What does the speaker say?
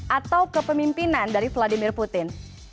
atau kepemimpinan dari vladimir putin